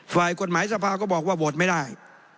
ฝ่ายกฎหมายสภาก็บอกว่าโหวตไม่ได้